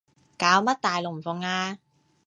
搞乜大龍鳳啊